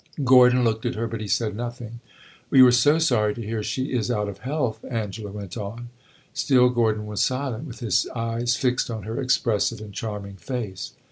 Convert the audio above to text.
Gordon looked at her, but he said nothing. "We were so sorry to hear she is out of health," Angela went on. Still Gordon was silent, with his eyes fixed on her expressive and charming face.